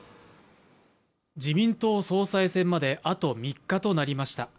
自民党総裁選まであと３日となりました。